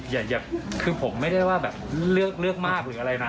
อย่าคือผมไม่ได้ว่าแบบเลือกมากหรืออะไรนะ